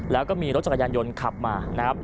แล้วก็มีรถจักรยานยนต์ขับมานะครับ